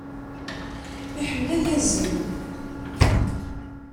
Iḥemmel ad yazzel.